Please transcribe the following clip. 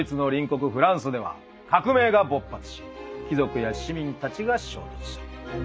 フランスでは革命が勃発し貴族や市民たちが衝突する。